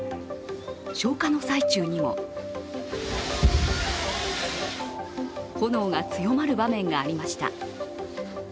消火の最中にも炎が強まる場面がありました。